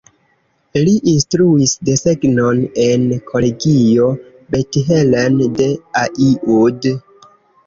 Li instruis desegnon en Kolegio Bethlen de Aiud.